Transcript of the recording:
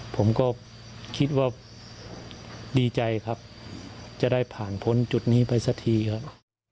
ผมก็คิดว่าดีใจครับจะได้ผ่านพ้นจุดนี้ไปสักทีครับ